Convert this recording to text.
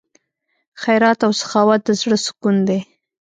خیرات او سخاوت د زړه سکون دی.